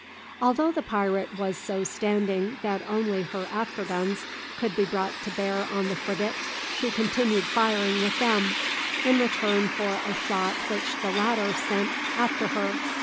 Although the pirate was so standing that only her after guns could be brought to bear on the frigate, she continued firing with them, in return for a shot which the latter sent after her.